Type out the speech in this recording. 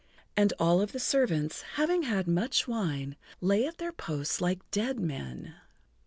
And all of the servants, having had much wine, lay at their posts like dead men.